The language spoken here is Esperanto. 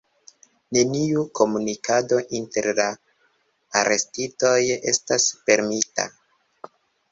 Neniu komunikado inter la arestitoj estas permesita.